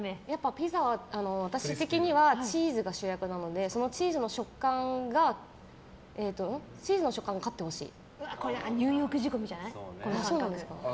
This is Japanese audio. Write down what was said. ピザは私的にはチーズが主役なのでそのチーズの食感が勝ってほしい。